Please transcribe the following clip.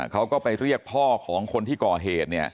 เขาก็ไปเรียกพ่อของคนที่ก่อเหตุ